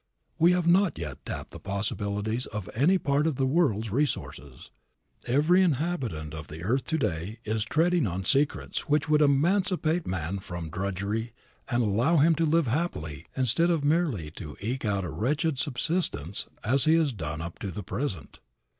We have not yet tapped the possibilities of any part of the world's resources. Every inhabitant of the earth to day is treading on secrets which would emancipate man from drudgery and allow him to live happily instead of merely to eke out a wretched subsistence as he has done up to the present.